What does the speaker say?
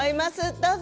どうぞ。